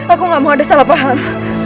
aku gak mau ada salah paham